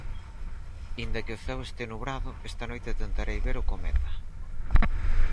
Aínda que o ceo esté nubrado esta noite tentarei ver o cometa.